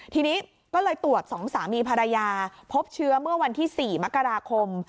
ทีนี้ก็เลยตรวจ๒สามีภรรยาพบเชื้อเมื่อวันที่๔มกราคม